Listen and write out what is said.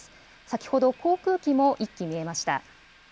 先ほど、航空機も１機見えました。